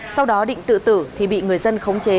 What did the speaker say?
sau đó định tự tử thì bị người dân khống chế